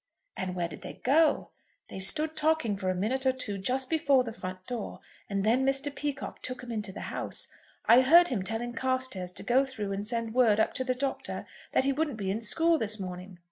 "And where did they go?" "They stood talking for a minute or two just before the front door, and then Mr. Peacocke took him into the house. I heard him tell Carstairs to go through and send word up to the Doctor that he wouldn't be in school this morning."